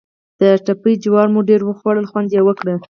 د تبۍ جواری مو ډېر وخوړ او خوند یې وکړ.